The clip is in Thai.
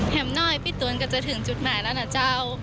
หน่อยพี่ตูนก็จะถึงจุดหมายแล้วนะเจ้า